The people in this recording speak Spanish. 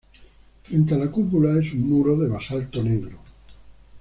Frente a la cúpula es un muro de basalto negro.